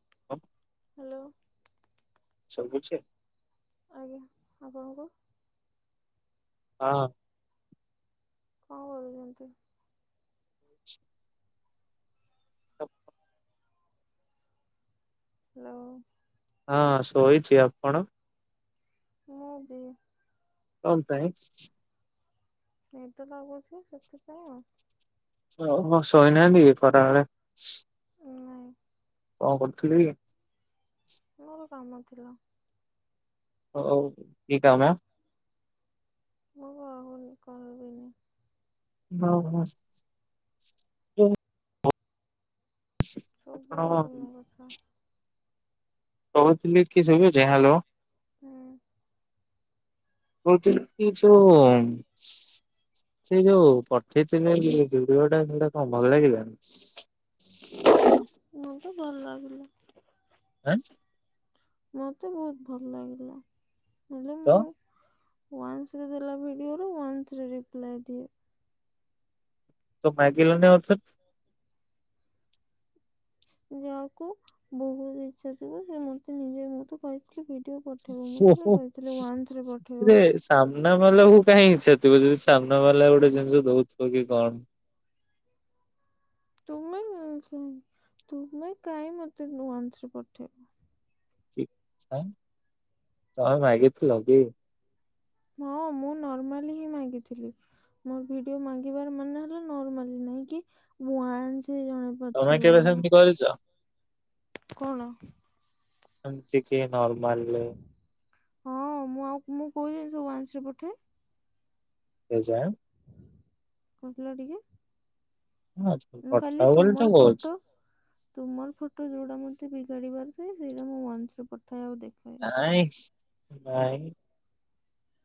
[inaudible] Hello. ଶୁଭୁଛେ? ଆଜ୍ଞା ଆପଣଙ୍କୁ,? ହଁ। କଣ କରୁଛନ୍ତି? ହଉ। ହ୍ୟାଲ। ହଁ ଶୋଇଛି ଆପଣ? ମୁବି। କଣ ପାଇଁ? ନିଦ ଲାଗୁଛି ସେଥିପାଇଁ ଆଉ। ଓହୋ ଶୋଇନାହାନ୍ତି ଖରାବେଳେ? ନାଇଁ କଣ କରୁଥିଲି? ମର କାମ ଥିଲା। ହଉ କି କାମ? [unintelligible] ହଉ ହଉ। ଆପଣ ଶୁଭୁନି ତୁମ କଥ? କହୁଥିଲି କି ସୁବୁଛି ହ୍ୟାଲୋ। ହୁଁ। ବୁଝିଲି କିନ୍ତ ସେ ଯୋଉ ପଠେଇଥିଲେ ଭିଡିଓ ଟା ସେଟା କଣ ଭଲ ଲାଗିଲା ମତେ ଭଲ ଲାଗିଲା। ଆଁ ମୋତେ ବହୁତ ଭଲ ଲାଗିଲା ହେଲେ ତ ମୁଁ ୱାନ୍ସ ଦେଲା ଭିଡିଅ ରୁ ୱାନ୍ସ ରେ ରିପ୍ଲା ଦିଏ। ତ ମାଗିଲୁଣି ଆଉ ଥରେ। ଯାହାକୁ ବହୁତ ଇଛା ଥିବ ସେ ମତେ ନିଜେ ମଠୁ ପଠେଇବ ମୁଁ ଓହୋ। ଥୋଡ଼ି କହିଥିଲି ୱାନ୍ସ ରେ ପଠେଇବ ସେଥିରେ ସାମ୍ନା ଵାଲା କୁ କାହିଁ ଇଚ୍ଛାଥିବ ଯଦି ସାମ୍ନାବାଲା ଗୋଟେ ଜିନିଷ ଦଉଥିବ କି କଣ [inaudible] ମେ ତୁମେ କାହିଁ ମତେ ୱାନ୍ସ ରେ ପଠେଇ ଠ ତମେ ମାଗିଥିଲ କି? ହଁ। ହଁ ମୁଁ ନର୍ମାଲି ହିଁ ମାଗିଥିଲି ମୋର ଭିଡିଓ ମାଗିବାର ମାନେ ହେଲା ନର୍ମାଲି ନାଇଁ କି ୱାନ୍ସ ତମେ କେବେ ସେମିତି କରିଛ? କଣ? ଏମିତିକି ନର୍ମାଲ ରେ ହଁ ମୁଁ ଆଉ ମୁଁ କଉ ଜିନିଷ ୱାନ୍ସ ରେ ପଠେ ତେଜା କମ୍ପଲେଟ କି? ହଁ ମୁଁ କାଲି ପଠାଅ ବୋଲି ତ ତୁମର କହୁଛି। ଫଟୋ ତୁମର ଫଟୋ ଯୋଉଟା ମତେ ବିଗାଡିବାର ସେ ସେଇଟା ମୁଁ ୱାନ୍ସ ରେ ପଠାଏ ଆଉ ଦେଖାଏ। ନାଇଁ ନାଇଁ।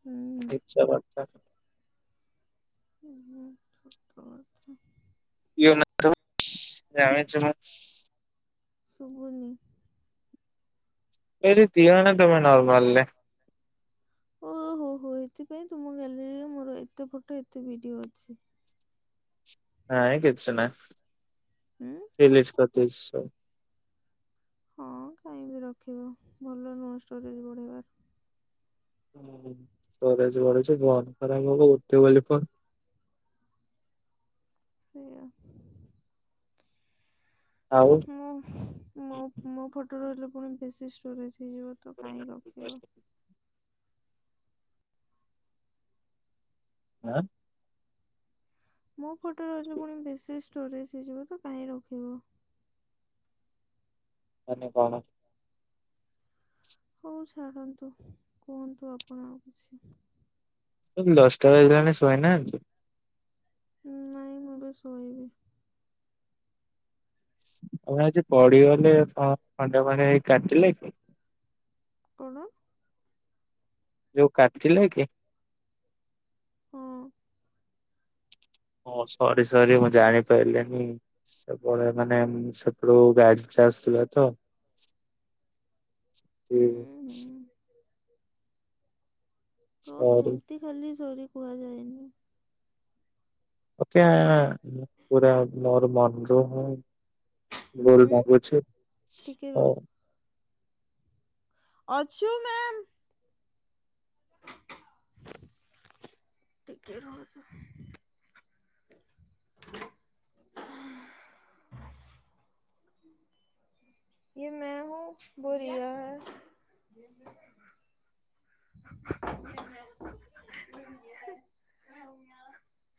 ହୁଁ ମିଛ କଥା। ଉଁ ହୁଁ ସତ୍ କଥା। ଇଅ ନା ସବୁ ଜାଣିଛି ମୁଁ। ଶୁଭୁନି। ଏଇଟି ଦିଅନା ତମେ ନର୍ମାଲ ରେ। ଓ ହୋ ହୋ ଏଥିପାଇଁ ତୁମ ଗ୍ୟାଲେରୀର ମୋର ଏତେ ଫୋଟୋ ଏତେ ଭିଡିଓ ଅଛି। ନାଇଁ କିଛି ନାଇ ହୁଁ ଡିଲିଟ କରିଦଉଛି ସବୁ। ହଁ କାଇଁ ବି ରଖିବ ଭଲ ନୁହଁ ଷ୍ଟୋରେଜ ବଢ଼େଇବାର। ଉଁ ଷ୍ଟୋରେଜ ବଢୁଚି କୁହନି ଖରାପ ଭାବିଲେ ଉଠେଇବନି ଫୋନ। ସେୟା। ଆଉ ମୁଁ ମୋ ମୋ ଫୋଟୋ ରହିଲେ ପୁଣି ବେଶୀ ଷ୍ଟୋରେଜ୍। ବି ଯିବ ତ କାହିଁକି ରଖିବ। ଆଁ। ମୋ ଫୋଟୋ ରହିଲେ ପୁଣି ବେଶୀ ଷ୍ଟୋରେଜ ହେଇଯିବ ତ କାହିଁ ରଖିବ। ମାନେ କଣ। ହଉ ଛାଡନ୍ତୁ କୁହନ୍ତୁ ଆପଣ ଆଉ କିଛି। ଦଶଟା ବାଜିଲାଣି ଶୋଇ ନାହାନ୍ତି। ନାଇଁ ମୁଁ ଏବେ ଶୋଇବି। ଆଉ ଆଜି ପଡିଗଲେ କ ଖଣ୍ଡିଆ ଫଣ୍ଡିଆ ହେଇ କାଟିଲା କି? କଣ? ଯୋଉ କାଟିଲା କି? ହଁ ହଁ ସରି ସରି ମୁଁ ଜାଣିପାରିଲିନି ସେବଳେ ମାନେ ଉଁ ସେପଟକୁ ଗାଡି। ଟା ଆଶୁଥିଲା ତ। ହୁଁ ଯଉ। ହୁଁ କ ସେମିତି ଖାଲି ସରି କୁହାଯାଏନି। ଓକେ ମୁଁ ପୁରା ମୋର ମନ ରୁ ହିଁ। ଭୁଲ୍ ହୁଁ ମାଗୁଛି ଟିକେ ହଁ। ଅଛୁ ମ୍ୟାମ୍। ଟିକେ ରୁହ ତ। ୟେ ମେ ହୁଁ ୱୋ ୟେ ହେ।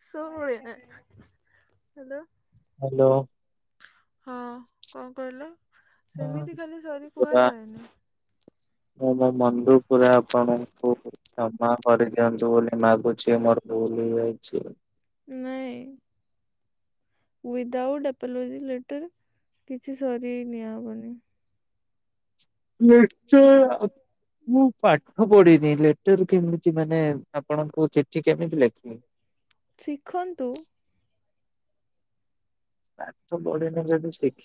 ସୋବଳି ଏଁ ହାଲୋ। ହାଲୋ। ହଁ କଣ କହିଲ ସେମିତି ଖାଲି ସରି ପୁରା କୁହାଯାଏନି। ମୁଁ ମୋ ମନରୁ ପୁରା ଆପଣଙ୍କୁ କ୍ଷମା କରିଦିଅନ୍ତୁ ବୋଲି ମାଗୁଛି ମୋର ଭୁଲ। ହେଇଯାଇଛି। ନାଇ। ୱିଦାଆଉଟ୍ ଆପୋଲୋଜି ଲେଟର କିଛି ସରି ନିଆହବନି। ଲେଟର ଆ ମୁଁ ପାଠ ପଢିନି ଲେଟର କେମିତି ମାନେ। ଆପଣଙ୍କୁ ଚିଠି କେମିତି ଲେଖିବି? ଶିଖନ୍ତୁ। ପାଠ ପଢିନି ଯଦି ଶି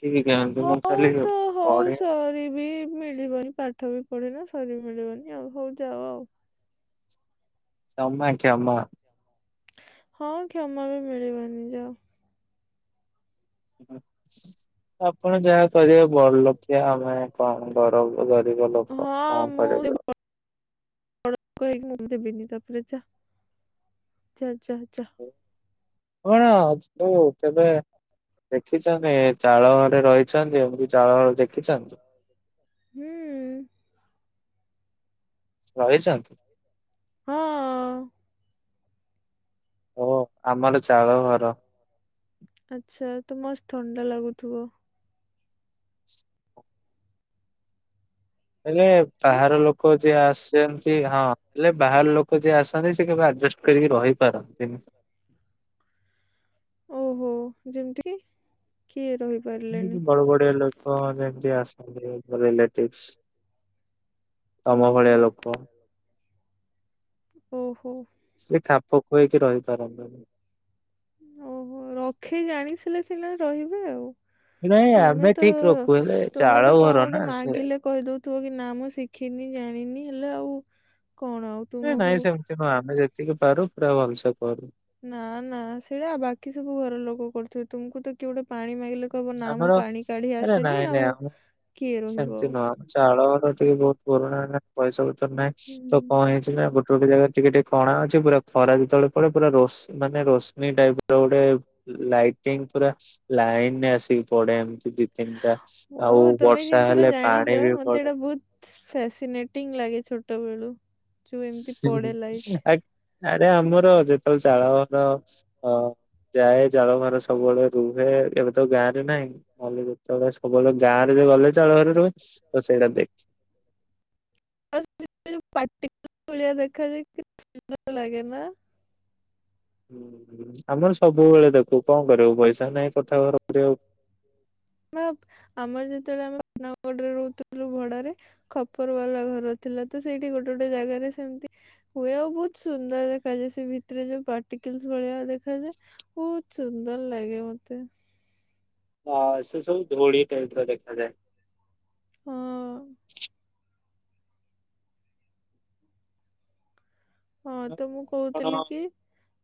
ହଉ ତ ହଉ ସରି ବିି ମିଳିବନି ପାଠ ବି ପଢ଼ିନ ସରି ମିଳିବନି ଆଉ ହଉ ଯାଅ ଆଉ। କ୍ଷମା କ୍ଷମା। ହଁ କ୍ଷମା ବି ମିଳିବ ନିି ଯାଅ। ଉଁ ଆପଣ ଯାହା କରିବେ ବଡ଼ ଲୋକିଆ ଆମେ କଣ ସବୁ ଗରିବ ଲୋକ କଁ ହଁ କରିବୁ ଆଉ? ର କହିକି ମୁଁ ଦେବିନି ତାପରେ ଯା ଯା ଯା ଯା। କଣ ଅଛୁ କେବେ ଦେଖିଛନ୍ତି ଚାଳ ଘରେ ରହିଛନ୍ତି ଏମତି ଚାଳ ଘଣ ଦେଖିଛନ୍ତି? ହୁଁ। ରହିଛନ୍ତି? ହଁ। ଓଃ ଆମର ଚାଳ ଘର। ଆଚ୍ଛା ତ ମସ୍ ଥଣ୍ଡା ଲାଗୁଥୁବ। ହେଲେ ନା ବାହାର ଲୋକ ଯିଏ ଆସେନ୍ତି ହଁ ହେଲେ ବାହାର ଲୋକ ଯିଏ ଆସନ୍ତି ସେ କେବେ ଆଡ଼ଜ କରିକି ରହିପାରନ୍ତିନି। ଓହୋ ଯେମତି କି? କିଏ ରହିପାରିଲେନି ଏମିତି ବଡ଼ ବଡି଼ଆ ଲୋକ ଯେମତି ଆସନ୍ତି [inaudible] ରିଲେଟିବସ୍। ତମ ଓହୋ ଭଳିଆ ଲୋକ। ଓହୋ। ସିଏ ଖାପ୍ ଓହୋ ରଖେଇ ଜାଣିଥିଲେ ସିନା ରହିବେ ଆଉ। ଇନାଁ ତୁମେ ତ ତୁମେ ତ କଁ ଘର ନା ଗୋଟେ ସେ ମାଗିଲେ କହିଦୋଉଥୁବ କି ନାଁ ମୁଁ ଶିଖିନି ଜାଣିନି ହେ ଲେ ଆଉ କଣ ଆଉ ଏ ତୁମକୁ ନାଇଁ ସେମିତି ନୁହଁ ଆମେ ଯେତିକି ପାରୁ ପୁରା ଭଲସେ କରୁ। ନାଁ ନାଁ ସେଇଟା ବାକି ସବୁ ଘର ଲୋକ କରୁଥୁବେ ତୁମକୁ ତ କିଏ ଗୋଟେ ପାଣି ମାଗିଲେ କହବ ନାଁ ମୁଁ ପାଣି କାଢ଼ି ଆସେନି ଆଉ କିଏ ରହିବ ସେମତି ଆଉ ନୁହଁ ଚାଳ ଘର ଟିକେ ବୋହୁ ପୁରୁଣା ହେଲା ପଇସା ପତର ନାହିଁ ତ ହୁଁ କଁ ହେଇଚି ନାଁ ଗୋ ତୋଟେ ଜାଗା ଟିକେ ଟିକେ କଣା ଅଛି ପୁରା ଖରା ଯେତୋଳେ ପଡ଼େ ପୁର ରୋଶ୍ ମାନେ ରୋଶନୀ ଟାଇପ୍ ର ଗୋଟେ ଲାଇଟିଙ୍ଗ୍ ପୁରା ଲାଇନ୍ ରେ ଆସିକି ପଡ଼େ ଏମ୍ ଦି ତିନିଟା ଆଉ ୱାଓ ତମେ ଏଇ ବର୍ଷା ହେଲେ ପାଣି ବି ପଡ଼େ। ଫେସିିନେଟିଙ୍ଗ୍ ଲାଗେ ଛୋଟ ବେଳୁ। ଆ ଆରେ ଆମର ଯେତୋଳେ ଚାଳ ଘର ଅ ଯାଏ ଜାଳ ଘର ସବୁବେଳେ ରୁହେ ଏବେ ତ ଗାଁରେ ନାହିଁ ନହେଲେ ଯେତୋଳେ ସବୁ ବେଳେ ଗାଁରେ ଗଲେ ଚାଳ ଘରେ ରୁହେ ତ ସେଇଡ଼ା ଦେ [inaudible] ପାଟି [inaudible] ଭଳିଆ ଦେଖା [inaudible] ସୁନ୍ଦର ଲାଗେ ନାଁ? ହୁଁ ହୁଁ ଆମର ସବୁ ଘର କରିବାକୁ ଭାପ୍ ଆମର ଯେତୋଳେ ଆମ ନଗଡ଼ରେ ରହୁଥୁଲୁ ଭଡ଼ାରେ ଖପର ବାଲା ଘର ଥିଲା ତ ସେଇଠି ଗୋଟେ ଗୋଟେ ଜାଗାରେ ସେମ ତି ହୁଏ ଆ ବୋହୁତ ସୁନ୍ଦର ଦେଖାଯାଏ ସେ ଭିତରେ ଯୋଉ ପାର୍ଟିକିଲସ୍ ଭଳିଆ ଦେଖାଯାଏ ବୋ ସୁନ୍ଦର ଲାଗେ ମତେ। ୱାଓ ସେ ସବୁ ଧୁଳି ଟାଇପ୍ ର ହଁ ଦେଖାଯାଏ। ହଁ ଆଉ ତ ମୁଁ ଆପଣ କୋହୁଥୁଲି କି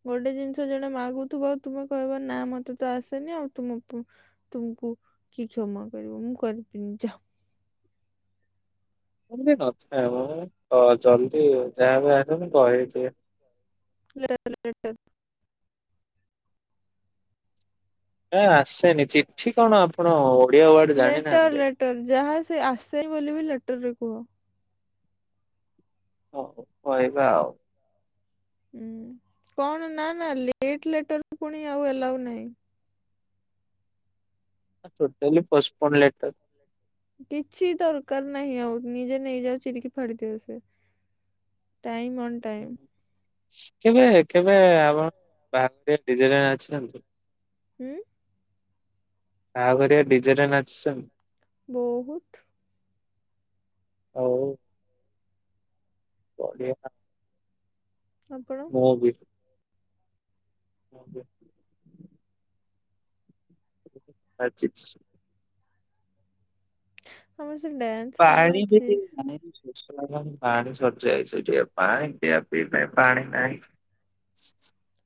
ଗୋଟେ ଜିନିଷ ଜ ଣେ ମାଗୁଥୁବ ତୁମେ କହିବ ନାଁ ମତେ ତ ଆସେନି ଆଉ ତୁମପୁ ତୁମକୁ କି କ୍ଷମା କରିବ ମୁଁ କରିବିନି ଯାଅ। ଏମିତି ନଥାଏ ମ ତ ଜଲ୍ଦୀ ଯାହା ବି ହେନେ ମୁଁ କହିଦିଏ। ଏରା ତାଲେ ଲେଟର୍ ଏ ଆସେନି ଚିଠି କଣ ଆପଣ ଓଡିଆ ୱାର୍ଡ ଲେଟର୍ ଜାଣିନାହାନ୍ତି ଲେଟର୍ ଯାହା ସେ ଆସେ ବୋଲି ବି ଲେଟର୍ ରେ କୁହ। ଓ କହିବା ଆଉ ହୁଁ କଣ ନା ନା ଲେଟ ଲେଟରୁ ପୁଣି ଆଉଲାଉ ନା, ଟୋଟେଲି ପଷ୍ଟପୋନ୍ ଲେଟର, କିଛି ଦରକାର ନାହିଁ ଆଉ ନିଜେ ନେଇଯାଉ ଚରିକି ଫାଡିଦିଉ ସେ ଟାଇମ୍ ଅନ୍ ଟାଇମ୍ କେବେ କେବେ ଆପଣ ବାଥିଡେ ଡିଜେରେ ନାଚିଛିନ୍ତି? ହୁଁ, ବାହାଘରିଆ ଡିଜେରେ ନାଚିଛନ୍ତି? ବହୁତ,। ହଉ। ବଢିଆ। ଆପଣ ମୁଁ ବି, ଓ। ଆଛ ସମମ ପାଣି ବି ନା ପାଣି ସର୍ ଯାଇଛି ଯ ପାଣି ଟ ପି ପାଇଁ ପାଣି ନାଇଁ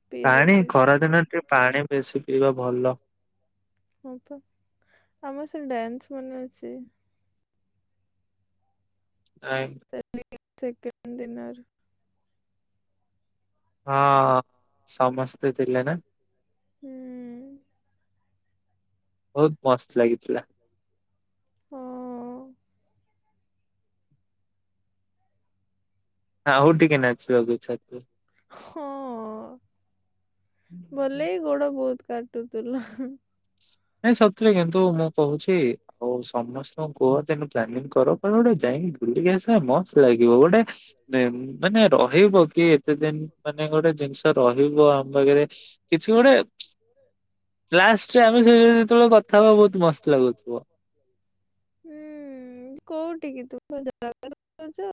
ପିଇଦିଅ ପାଣି ପିଇଦିଅ ଖରାଦିନ ଟ ପାଣି ବେଶୀ ପିଇବା ଭଲ ହଁ ପା ଆମର ସେ ଡ୍ୟାନ୍ସ ମାନେ ଅଛି ଆ ଏକ ସେକଣ୍ଡ ଦେିନାର ହଁ ସମସ୍ତେ ଥିଲେ ନା? ହୁଁ। ବହୁତ ମସ୍ତ ଲାଗିଥିଲା। ହଁ। ହଁ ହଉ ଟିକେ ନାଚିବାକୁ ଇଛା ହଁ ଥିଲା। ଭଲେ ଗୋଡ ବହୁତ କାଟଥିଲା ନାଇଁ ସତରେ କିନ୍ତୁ ମୁଁ କହୁଛି ହଉ ସମସ୍ତଙ୍କୁ କୁହ ତନୁ ପ୍ଲାନିଂ କର ଗୋଟେ ଯାଇକି ବୁଲିକି ଆସିବା ମସ୍ତ ଲାଗିବ ଗୋଟେ ମାନେ ରହିବ କି ଏତେ ଦିନ ମାନେ ଗୋଟେ ଜିନିଷ ରହିବ ଆମ ପାଖରେ କି ସେଇଟେ ଲାଷ୍ଟରେ ଯେତେବେଳେ କଥା ହବା ବହୁତ ମସ୍ତ ଲାଗୁଥିବ। ହୁଁ କଉଠ ଟିକେ ତୁମ ଜାଗଉଛ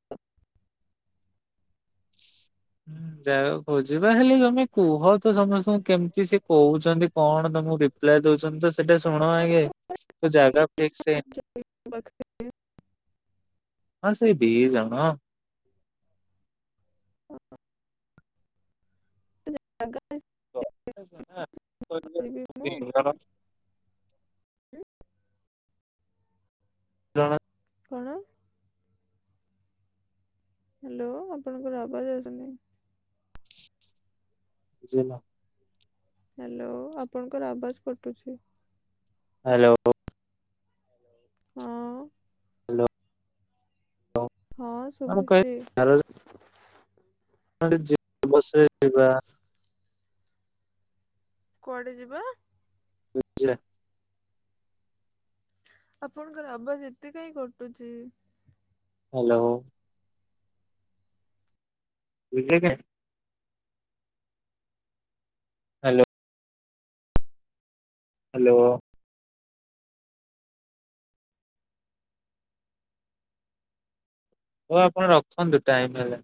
ହୁଁ ଯାହା ଖୋଜିବା ହେଲେ ତମେ କୁହ ତ ସମସ୍ତଙ୍କୁ କେମିତି ସେ କହୁଛନ୍ତି କଣ ତମକୁ ରିପ୍ଲାଏ ଦଉଛନ୍ତି ତ ସେଟା ଶୁଣ ଆଗେ? ତ ଜାଗା ଫଠକ ସେ ବକ୍ତ ଆ ସେଇ ଦେଇ ଯଣ ଓ ହୋ। କହିବି ମୁଁ [unintelligible] ଜଣ [unintelligible] ହ୍ୟାଲୋ ଆପଣଙ୍କ ରାଭ ଯ ଅଉଛନ୍ତି ବୁଝ ନା ହ୍ୟାଲୋ ଆପଣଙ୍କର ଆବାଜ ପଟୁଛି ହ୍ୟାଲୋ। ହଁ। ହ୍ୟାଲୋ। ହଁ ମୁଁ ଶୁବୁଚି। [inaudible] ବସେଇବା କୁଆଡେ ଜିବା। ପୁରି ଜିବା। ଆପଣଙ୍କର ଆବାଜ ଏତେ କାଇଁ କଟୁଚି। ହ୍ୟାଲୋ। ଲିଭେଇ ଦେ ହ୍ୟାଲୋ ହାଲୋ। ହୋଉ ଆପଣ ରଖନ୍ତୁ ଟାଇମ୍ ହେଲା।